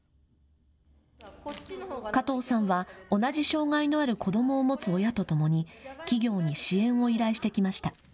加藤さんは同じ障害のある子どもを持つ親とともに企業に支援を依頼してきました。